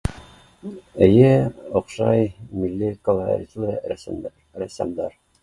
Эйе оҡшай милли колоритлы рәсемдәр, рәссамдар